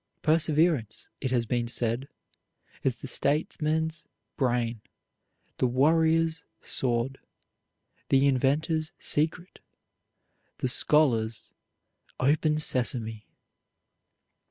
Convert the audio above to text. Perseverance, it has been said, is the statesman's brain, the warrior's sword, the inventor's secret, the scholar's "open sesame."